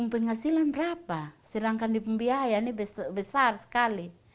penghasilan berapa sedangkan di pembiayaan ini besar sekali